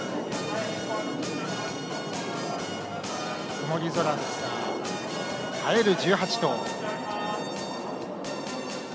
曇り空ですが映える１８頭。